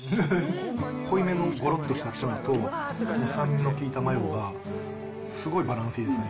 濃いめのごろっとしたツナと、酸味の効いたマヨが、すごいバランスいいですね。